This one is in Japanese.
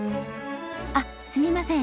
あっすみません。